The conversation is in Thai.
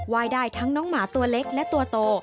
ยได้ทั้งน้องหมาตัวเล็กและตัวโต